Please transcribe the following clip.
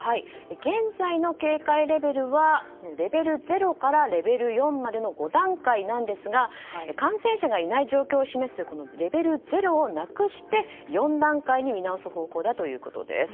現在の警戒レベルはレベル０からレベル４までの５段階なんですが感染者がいない状況を示すレベル０をなくして４段階に見直す方向だということです。